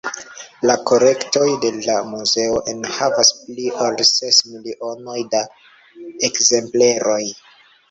La kolektoj de la Muzeo enhavas pli ol ses milionoj da ekzempleroj.